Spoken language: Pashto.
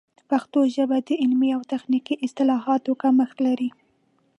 پښتو ژبه د علمي او تخنیکي اصطلاحاتو کمښت لري.